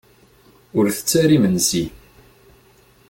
Ur ttett ara imensi.